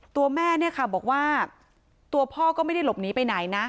ตัวแม่เนี่ยค่ะบอกว่าตัวพ่อก็ไม่ได้หลบหนีไปไหนนะ